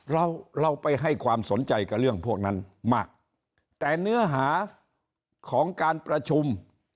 เราเราไปให้ความสนใจกับเรื่องพวกนั้นมากแต่เนื้อหาของการประชุม